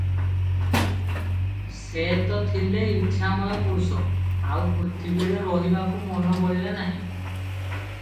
ସେ ତ ଥିଲେ ଇଚ୍ଛାମୟ ପରୁଷ, ଆଉ ପୃଥିବୀରେ ରହିବାକୁ ମନ ବଳିଲା ନାହିଁ ।